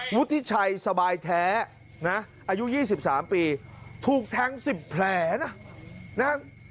วุฒิชัยสบายแท้นะอายุ๒๓ปีถูกแทง๑๐แผลนะนะฮะ